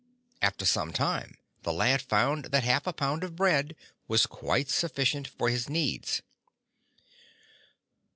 After some time the lad found that half a pound of bread was quite sufficient for his needs.